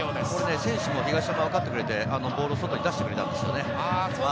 選手も東山、分かってくれて外にボールを出してくれたんですよね。